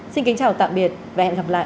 xin kính chào tạm biệt và hẹn gặp lại